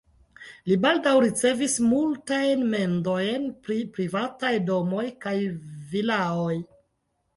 Li baldaŭ ricevis multajn mendojn pri privataj domoj kaj vilaoj.